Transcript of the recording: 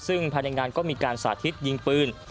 ซึ่งภายในงานก็มีการสาธิตยิงปืน